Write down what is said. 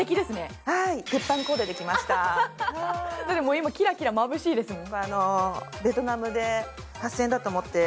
今、キラキラまぶしいですもん。